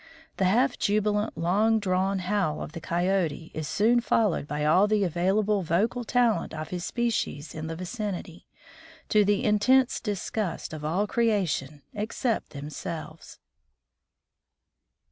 The half jubilant long drawn howl of the Coyote is soon followed by all the available vocal talent of his species in the vicinity, to the intense disgust of all creation except themselves.